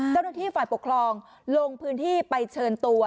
เจ้าหน้าที่ฝ่ายปกครองลงพื้นที่ไปเชิญตัว